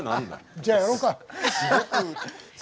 じゃあやろう。